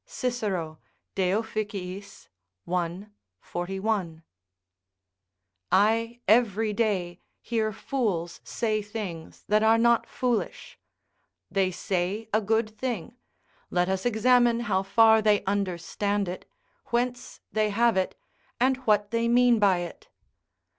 Cicero, De Offic:, i. 41.] I every day hear fools say things that are not foolish: they say a good thing; let us examine how far they understand it, whence they have it, and what they mean by it.